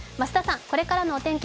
これからのお天気